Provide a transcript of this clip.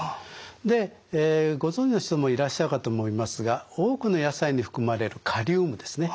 でご存じの人もいらっしゃるかと思いますが多くの野菜に含まれるカリウムですね。